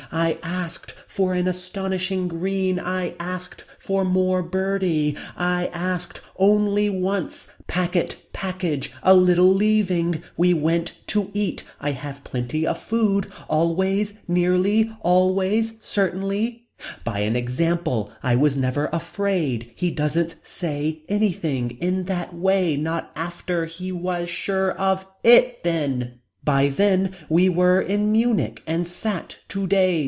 I asked for an astonishing green I asked for more Bertie. I asked only once. Pack it. Package. A little leaving. We went to eat. I have plenty of food. Always. Nearly. Always. Certainly. By an example. I was never afraid. He doesn't say anything. In that way. Not after. He was. Sure. Of it. Then. By then. We were. In Munich. And sat. Today.